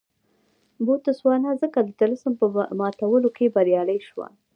بوتسوانا ځکه د طلسم په ماتولو کې بریالۍ شوه.